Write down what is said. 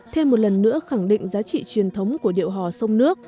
thêm một lần nữa khẳng định giá trị truyền thống của điệu hò sông nước